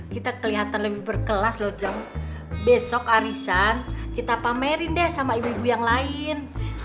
kita kelihatan lebih berkelas loh besok arisan kita pamerin deh sama ibu ibu yang lain